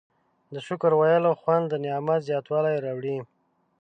د شکر ویلو خوند د نعمت زیاتوالی راوړي.